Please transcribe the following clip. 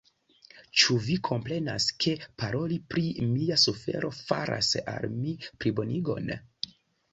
Ĉu vi komprenas, ke paroli pri mia sufero faras al mi plibonigon?